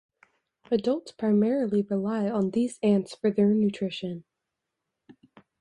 Adults primarily rely on these ants for their nutrition.